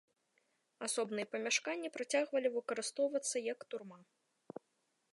Асобныя памяшканні працягвалі выкарыстоўвацца як турма.